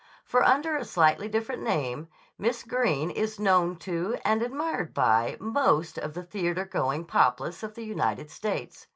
For under a slightly different name Miss Greene is known to and admired by most of the theater going populace of the United States.